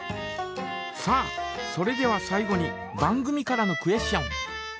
さあそれでは最後に番組からのクエスチョン。